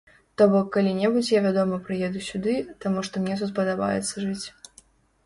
То бок калі-небудзь я вядома прыеду сюды, таму што мне тут падабаецца жыць.